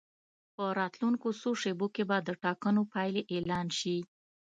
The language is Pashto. په راتلونکو څو شېبو کې به د ټاکنو پایلې اعلان شي.